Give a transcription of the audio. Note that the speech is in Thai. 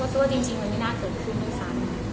โทษจริงมันไม่น่าเกิดขึ้นด้วยฟัง